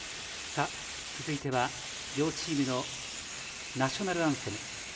続いては両チームのナショナルアンセム。